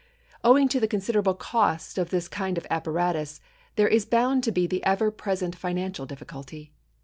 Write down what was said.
Owing to the considerable cost of this kind of apparatus there is bound to be the ever present financial difficulty.